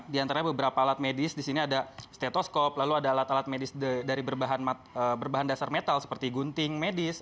di antara beberapa alat medis di sini ada stetoskop lalu ada alat alat medis dari berbahan dasar metal seperti gunting medis